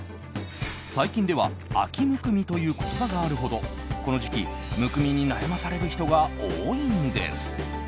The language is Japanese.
最近では秋むくみという言葉があるほどこの時期、むくみに悩まされる人が多いんです。